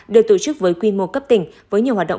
được tổ chức với quy mô cấp tỉnh với nhiều hoạt động